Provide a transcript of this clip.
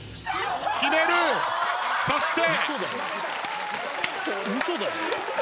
そして。